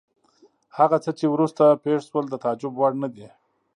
هغه څه چې وروسته پېښ شول د تعجب وړ نه دي.